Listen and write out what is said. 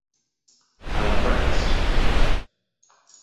I want breakfast